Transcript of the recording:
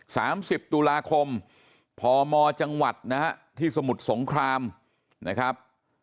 สามสิบตุลาคมพมจังหวัดนะฮะที่สมุทรสงครามนะครับ